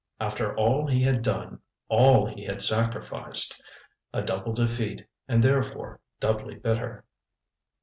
After all he had done all he had sacrificed. A double defeat, and therefore doubly bitter.